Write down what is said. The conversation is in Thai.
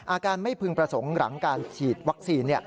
อาการไม่พึงประสงค์หลังการฉีดวัคซีน